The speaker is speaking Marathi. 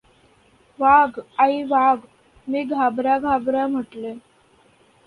"वाघ! आई! वाघ!" मी घाबऱ्या घाबऱ्या म्हटले.